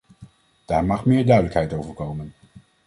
Daar mag meer duidelijkheid over komen.